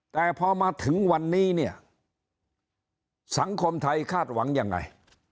แต่พอมาถึงวันนี้เนี่ยสังคมไทยคาดหวังยังไง